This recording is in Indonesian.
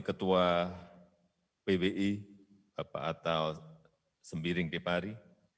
ketua pbi atau sembiring depari